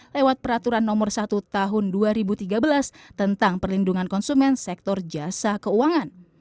lewat peraturan nomor satu tahun dua ribu tiga belas tentang perlindungan konsumen sektor jasa keuangan